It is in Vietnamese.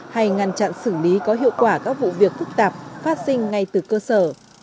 hay ngăn chặn xử lý có hiệu quả các vụ việc phức tạp phát sinh ngay từ cơ sở